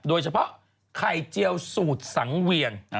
โดยเฉพาะไข่เจียวสูตรสังเวียน